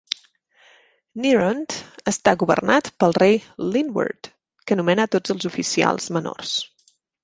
Nyrond està governat pel rei Lynwerd, que nomena tots els oficials menors.